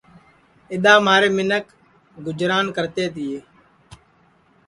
اِدؔا مہارے منکھ گُجران کرتے تیے